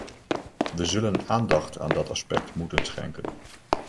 We zullen aandacht aan dat aspect moeten schenken.